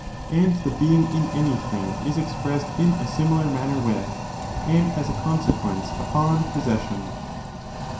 And the being in anything is expressed in a similar manner with, and as a consequence upon, possession.